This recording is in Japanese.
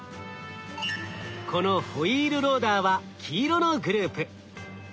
このホイールローダーは黄色のグループ。